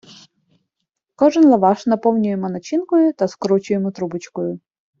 Кожен лаваш наповнюємо начинкою та скручуємо трубочкою.